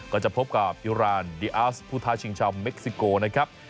ก็จะพบกับอิรานดีอาร์สผู้ท้าชิงชาวเม็กซิโกนะครับ